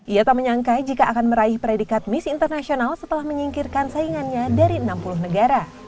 ia tak menyangka jika akan meraih predikat miss internasional setelah menyingkirkan saingannya dari enam puluh negara